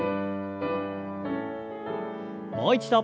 もう一度。